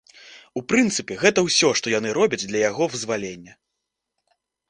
У прынцыпе, гэта ўсё, што яны робяць для яго вызвалення.